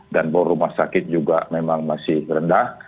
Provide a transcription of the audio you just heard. dan borumah sakit juga memang masih rendah